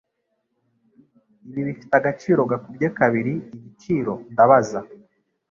Ibi bifite agaciro gakubye kabiri igiciro ndabaza.